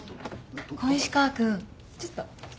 小石川君ちょっと。